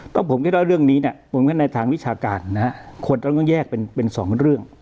ต้องผมคิดว่าเรื่องนี้ในทางวิชาการควรจะต้องแยกเป็นสองเรื่อง